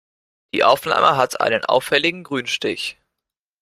Die Aufnahme hat einen auffälligen Grünstich.